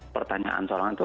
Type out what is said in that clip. pertanyaan soal itu